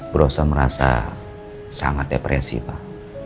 berusaha merasa sangat depresi pak